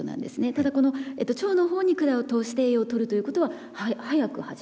ただ腸のほうに管を通して栄養をとるということは早く始めたほうが。